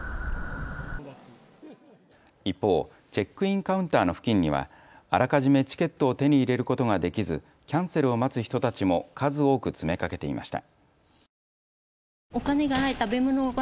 一方、チェックインカウンターの付近にはあらかじめチケットを手に入れることができずキャンセルを待つ人たちも数多く詰めかけていました。